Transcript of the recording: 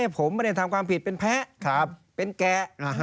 ผมไม่ได้ทำความผิดเป็นแพ้เป็นแกะ